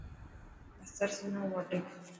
بصر سنو وڌ.